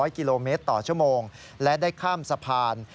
๐กิโลเมตรต่อชั่วโมงและได้ข้ามสะพาน